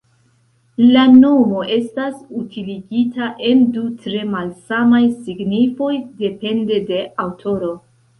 La nomo estas utiligita en du tre malsamaj signifoj depende de aŭtoro.